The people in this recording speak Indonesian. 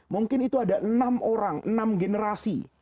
mungkin itu ada enam orang enam generasi